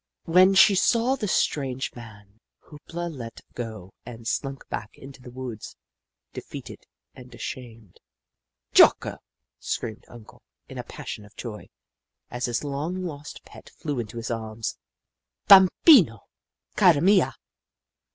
When she saw the strange man, Hoop La let go and slunk back into the woods, defeated and ashamed. ''Jocko !'' screamed Uncle, in a passion of joy, as his long lost pet flew into his arms. " Bambino / Cara mia